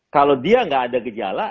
kalau dia nggak ada gejala